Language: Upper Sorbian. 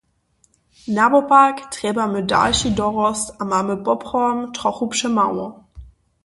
Nawopak, trjebamy dalši dorost a mamy poprawom trochu přemało.